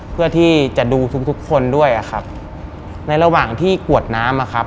เพื่อที่จะดูทุกทุกคนด้วยอะครับในระหว่างที่กวดน้ำอะครับ